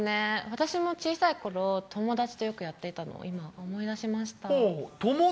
私も小さいころ、友達とよくやっていたのを今、思い出しました。